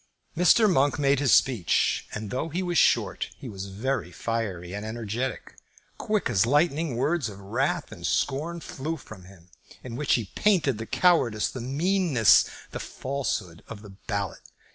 Mr. Monk made his speech, and though he was short, he was very fiery and energetic. Quick as lightning words of wrath and scorn flew from him, in which he painted the cowardice, the meanness, the falsehood of the ballot.